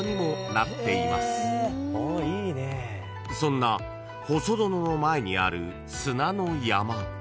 ［そんな細殿の前にある砂の山］